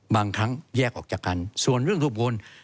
บางครั้งแยกออกจากกันส่วนเรื่องขบวน